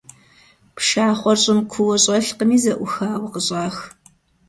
Пшахъуэр щӀым куууэ щӀэлъкъыми зэӀухауэ къыщӀах.